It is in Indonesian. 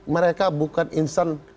mereka bukan insan